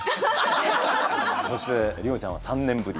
そして里帆ちゃんは３年ぶり。